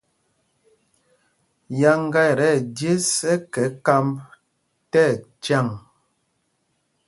Yáŋgá ɛ tí ɛjes ɛkɛ kámb tí ɛcyaŋ.